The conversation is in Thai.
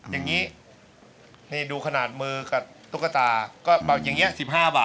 อย่างนี้นี่ดูขนาดมือกับตุ๊กตาก็อย่างนี้๑๕บาท